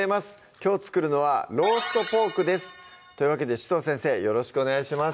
きょう作るのは「ローストポーク」ですというわけで紫藤先生よろしくお願いします